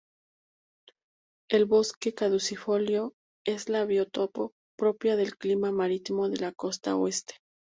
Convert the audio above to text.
El bosque caducifolio es la biotopo propia del clima marítimo de la costa oeste.